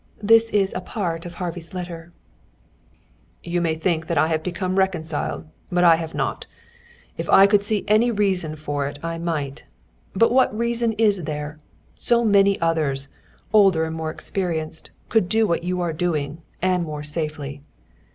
This is a part of Harvey's letter: You may think that I have become reconciled, but I have not. If I could see any reason for it I might. But what reason is there? So many others, older and more experienced, could do what you are doing, and more safely.